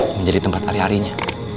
menjadi tempat hari harinya